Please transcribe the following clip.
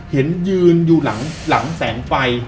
เห็นยืนอยู่หลังแสงไฟ